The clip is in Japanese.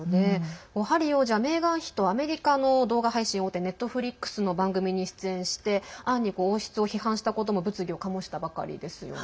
ハリー王子はメーガン妃とアメリカの動画配信大手Ｎｅｔｆｌｉｘの番組に出演して暗に王室を批判したことも物議をかもしたばかりですよね。